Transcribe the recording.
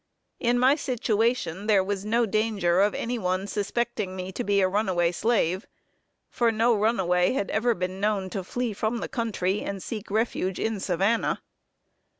In my situation there was no danger of any one suspecting me to be a runaway slave; for no runaway had ever been known to flee from the country and seek refuge in Savannah.